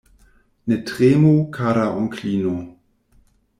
Ne tremu, kara onklino.